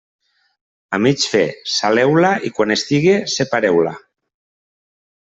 A mig fer, saleu-la, i quan estigui separeu-la.